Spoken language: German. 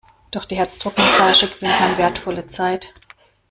Durch die Herzdruckmassage gewinnt man wertvolle Zeit.